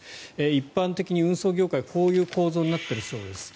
一般的に運送業界はこういう構造になっているそうです。